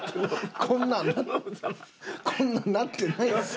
こんなんこんなんなってないですよ。